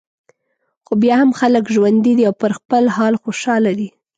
خو بیا هم خلک ژوندي دي او پر خپل حال خوشاله دي.